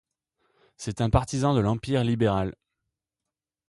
C'est un partisan de l'Empire libéral.